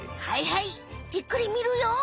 はいはいじっくりみるよ。